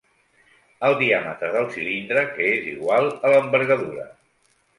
El diàmetre del cilindre que és igual a l'envergadura.